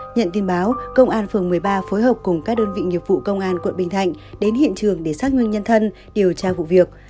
nhận tin báo công an phường một mươi ba phối hợp cùng các đơn vị nghiệp vụ công an quận bình thạnh đến hiện trường để xác minh nhân thân điều tra vụ việc